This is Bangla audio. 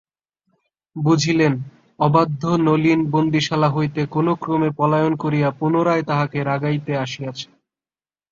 বুঝিলেন, অবাধ্য নলিন বন্দীশালা হইতে কোনোক্রমে পলায়ন করিয়া পুনরায় তাঁহাকে রাগাইতে আসিয়াছে।